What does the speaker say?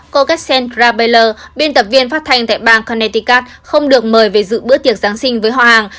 cô cassandra beller biên tập viên phát thanh tại bang connecticut không được mời về dự bữa tiệc giáng sinh với họ hàng